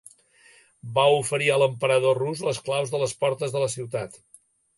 Va oferir a l'emperador rus les claus de les portes de ciutat.